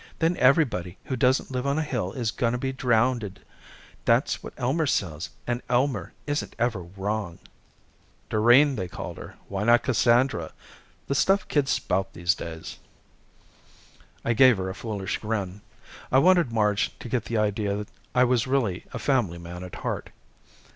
Then everybody who doesn't live on a hill is gonna be drownded. That's what Elmer says and Elmer isn't ever wrong." [Illustration: Illustrated by CAVAT] Doreen they called her! Why not Cassandra? The stuff kids spout these days! I gave her a foolish grin. I wanted Marge to get the idea I was really a family man at heart.